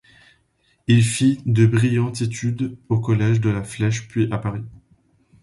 Il fit de brillantes études au Collège de La Flèche puis à Paris.